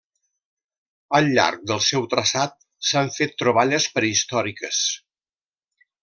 Al llarg del seu traçat s'han fet troballes prehistòriques.